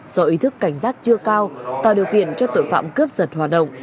do ý thức cảnh giác chưa cao tạo điều kiện cho tội phạm cướp giật hoạt động